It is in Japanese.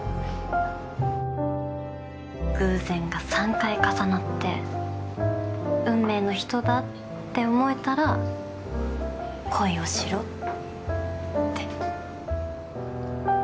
偶然が３回重なって運命の人だって思えたら恋をしろって。